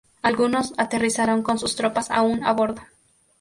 Algunos aterrizaron con sus tropas aún a bordo.